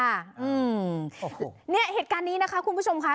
อืมเนี่ยเหตุการณ์นี้นะคะคุณผู้ชมค่ะ